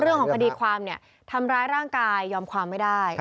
เรื่องของคดีความเนี่ยทำร้ายร่างกายยอมความไม่ได้